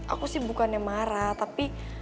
aku sih bukannya marah tapi